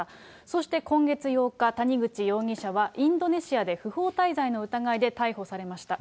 そして今月８日、谷口容疑者は、インドネシアで不法滞在の疑いで逮捕されました。